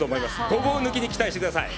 ごぼう抜きに期待してください。